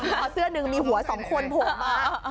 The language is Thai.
พอเสื้อหนึ่งมีหัว๒คนโผล่มา